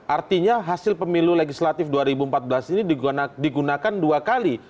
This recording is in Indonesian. artinya hasil pemilu legislatif dua ribu empat belas ini digunakan dua kali